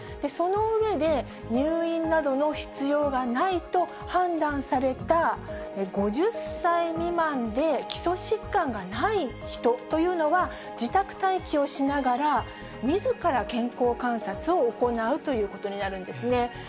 その上で、入院などの必要がないと判断された、５０歳未満で基礎疾患がない人というのは、自宅待機をしながら、みずから健康観察を行うということになるんですね。